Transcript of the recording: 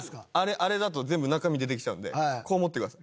あれだと全部中身出てきちゃうんでこう持ってください。